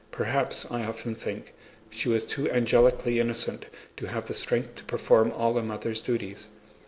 Perhaps, I often think, she was too angelically innocent to have the strength to perform all a mother's duties.